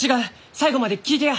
最後まで聞いてや！